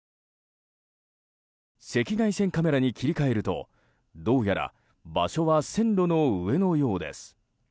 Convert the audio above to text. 赤外線カメラに切り替えるとどうやら場所は線路の上のようです。